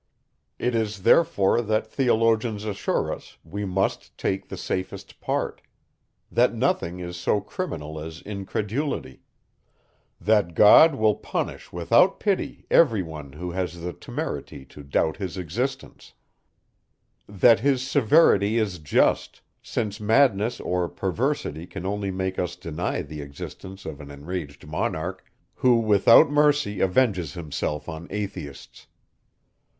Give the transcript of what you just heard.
It is therefore, that theologians assure us, we must take the safest part; that nothing is so criminal as incredulity; that God will punish without pity every one who has the temerity to doubt his existence; that his severity is just, since madness or perversity only can make us deny the existence of an enraged monarch, who without mercy avenges himself on Atheists.